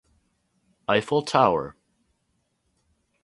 Eiffel Tower.